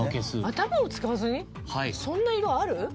頭を使わずにそんな色ある？